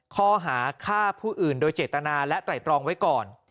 ข้อหาฆ่าผู้อื่นโดยเจตนาและไตรตรองไว้ก่อน